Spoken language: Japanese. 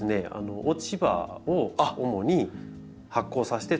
落ち葉を主に発酵させてつくってる。